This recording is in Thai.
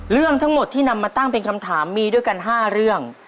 เรื่องทั้งหมดที่นำมาตั้งเป็นคำถามมีด้วยกัน๕เรื่อง